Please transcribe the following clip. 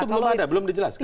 itu belum ada belum dijelaskan